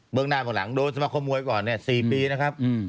เมืองหน้าเมืองหลังโดนสมัครขโมยก่อนเนี่ย๔ปีนะครับ